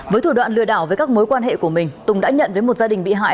với thủ đoạn lừa đảo với các mối quan hệ của mình tùng đã nhận với một gia đình bị hại